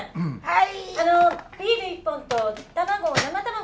はい。